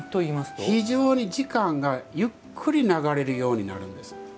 非常に時間がゆっくり流れるようになるんです。